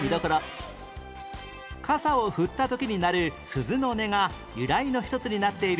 傘を振った時に鳴る鈴の音が由来の一つになっている